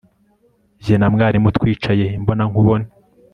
Jye na mwarimu twicaye imbonankubone